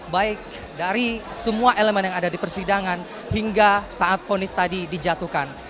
baik dari semua elemen yang ada di persidangan hingga saat fonis tadi dijatuhkan